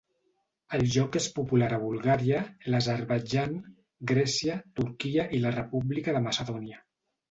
El joc és popular a Bulgària, l'Azerbaidjan, Grècia, Turquia i la República de Macedònia.